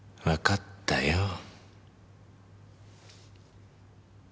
わかったよ。